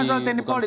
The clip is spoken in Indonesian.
bukan soal tni polri